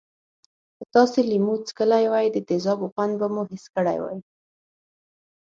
که تاسې لیمو څکلی وي د تیزابو خوند به مو حس کړی وی.